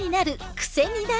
クセになる！